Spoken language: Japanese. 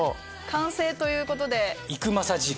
完成ということで。